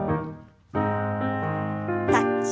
タッチ。